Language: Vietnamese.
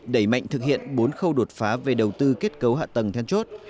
đẩy mạnh thực hiện bốn khâu đột phá về đầu tư kết cấu hạ tầng then chốt